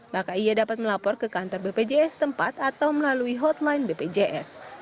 maka ia dapat melapor ke kantor bpjs tempat atau melalui hotline bpjs